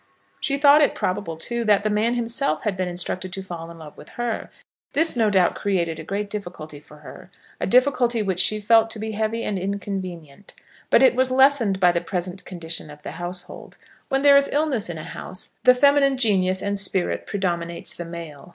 She thought it probable, too, that the man himself had been instructed to fall in love with her. This no doubt created a great difficulty for her, a difficulty which she felt to be heavy and inconvenient; but it was lessened by the present condition of the household. When there is illness in a house, the feminine genius and spirit predominates the male.